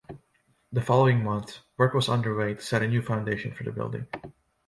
The following month, work was underway to set a new foundation for the building.